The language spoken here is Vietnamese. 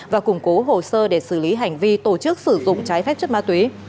và củng cố hồ sơ để xử lý hành vi tổ chức sử dụng trái phép chất ma túy